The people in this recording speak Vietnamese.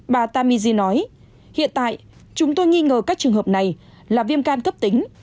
bà tami nói hiện tại chúng tôi nghi ngờ các trường hợp này là viêm gan cấp tính